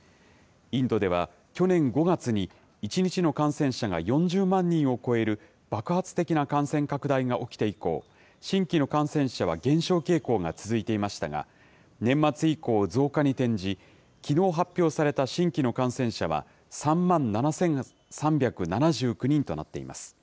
インドでは去年５月に１日の感染者が４０万人を超える爆発的な感染拡大が起きて以降、新規の感染者は減少傾向が続いていましたが、年末以降、増加に転じ、きのう発表された新規の感染者は、３万７３７９人となっています。